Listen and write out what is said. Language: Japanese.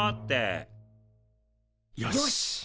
よし！